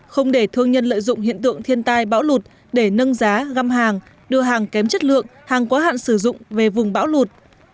không để thương nhân lợi dụng hiện tượng thiên tai bão lụt để nâng giá găm hàng đưa hàng kém chất lượng hàng quá hạn sử dụng về vùng bão lụt